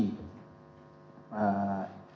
itu sudah termasuk notifikasi